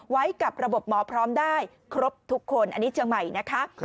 ไว้กับระบบหมอพร้อมได้ครบทุกคนอันนี้เชียงใหม่นะคะ